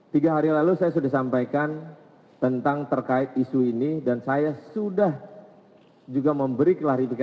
tiga hari lalu saya sudah sampaikan tentang terkait isu ini dan saya sudah juga memberi klarifikasi